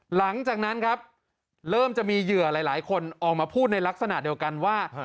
หลังจากนั้นครับเริ่มจะมีเหยื่อหลายคนออกมาพูดในลักษณะเดียวกันว่า